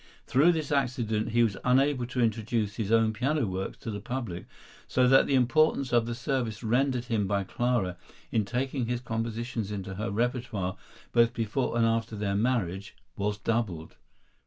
Through this accident he was unable to introduce his own piano works to the public, so that the importance of the service rendered him by Clara, in taking his compositions into her repertoire, both before and after their marriage, was doubled.